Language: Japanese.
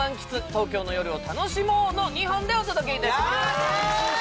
「東京のよるを楽しもう！」の２本でお届けいたします